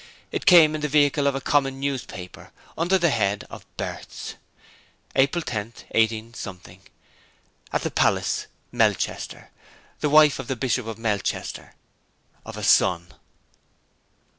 It came in the vehicle of a common newspaper, under the head of 'Births:' 'April 10th, 18 , at the Palace, Melchester, the wife of the Bishop of Melchester, of a son.'